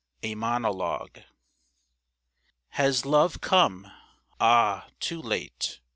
A MONOLOGUE. Has Love come? Ah, too late!